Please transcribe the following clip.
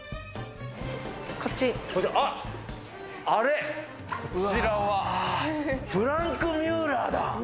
こちらはフランクミュラーだ。